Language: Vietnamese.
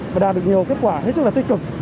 và đạt được nhiều kết quả hết sức là tích cực